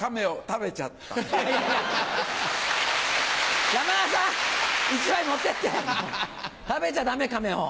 食べちゃダメ亀を。